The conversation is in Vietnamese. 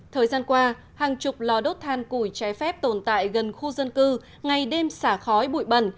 thời gian qua hàng chục lò đốt than củi trái phép tồn tại gần khu dân cư ngày đêm xả khói bụi bẩn